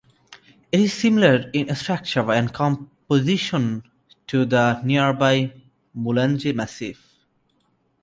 It is similar in structure and composition to the nearby Mulanje Massif.